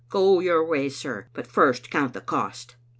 Go your way, sir; but first count the cost."